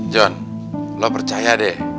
johnny lo percaya deh